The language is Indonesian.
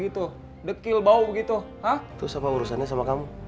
terus apa urusannya sama kamu